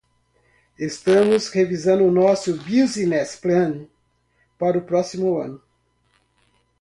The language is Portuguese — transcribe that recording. Estamos revisando nosso business plan para o próximo ano.